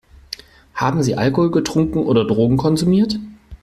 Haben Sie Alkohol getrunken oder Drogen konsumiert?